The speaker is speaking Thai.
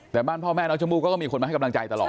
แต่บ้านพ่อแม่น้องชมพู่ก็มีคนมาให้กำลังใจตลอด